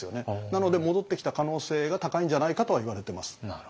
なので戻ってきた可能性が高いんじゃないかとはいわれてます。